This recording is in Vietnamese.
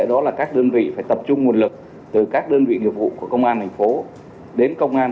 đó là các đơn vị phải tập trung nguồn lực từ các đơn vị nghiệp vụ của công an thành phố đến công an